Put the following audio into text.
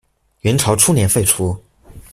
元朝初年废除。